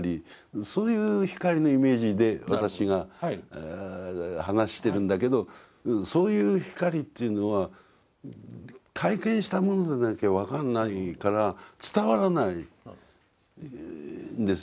そういう光のイメージで私が話してるんだけどそういう光というのは体験した者じゃなきゃ分かんないから伝わらないんですよね。